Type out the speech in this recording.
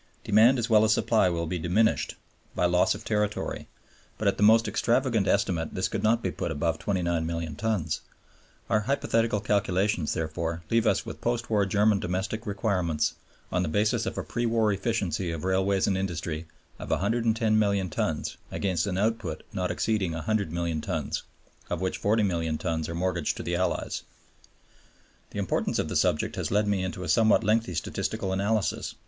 Demand as well as supply will be diminished by loss of territory, but at the most extravagant estimate this could not be put above 29,000,000 tons. Our hypothetical calculations, therefore, leave us with post war German domestic requirements, on the basis of a pre war efficiency of railways and industry, of 110,000,000 tons against an output not exceeding 100,000,000 tons, of which 40,000,000 tons are mortgaged to the Allies. The importance of the subject has led me into a somewhat lengthy statistical analysis.